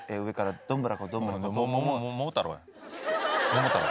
『桃太郎』